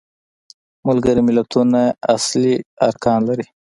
ملګري ملتونه اصلي ارکان لري.